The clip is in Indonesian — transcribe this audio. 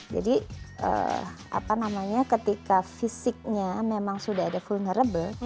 jadi apa namanya ketika fisiknya memang sudah ada vulnerable